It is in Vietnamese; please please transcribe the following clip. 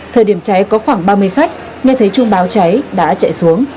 thời điểm cháy có khoảng ba mươi khách nghe thấy chuông báo cháy đã chạy xuống